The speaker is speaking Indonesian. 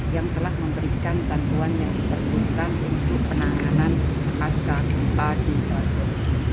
yang telah memberikan bantuan yang diperlukan untuk penanganan masker di turki